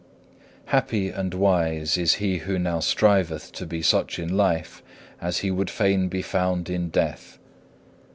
4. Happy and wise is he who now striveth to be such in life as he would fain be found in death!